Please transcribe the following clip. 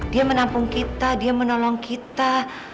dia menampung kita dia menolong kita